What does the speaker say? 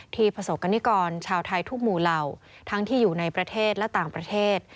ประสบกรณิกรชาวไทยทุกหมู่เหล่าทั้งที่อยู่ในประเทศและต่างประเทศ